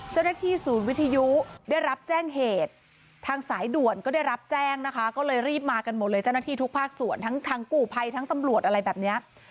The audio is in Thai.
เจ้าหน้าที่ศูนย์วิทยุได้รับแจ้งเหตุทางสายด่วนก็ได้รับแจ้งนะคะก็เลยรีบมากันหมดเลยเจ้าหน้าที่ทุกภาคส่วนทั้งทางกู้ภัยทั้งตำรวจอะไรแบบเนี้ย